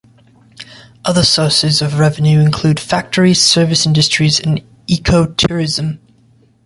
Other sources of revenue include factories, service industries and ecotourism.